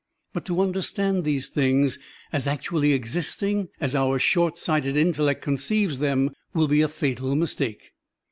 But to understand these things as actually existing as our short sighted intellect conceives them will be a fatal mistake.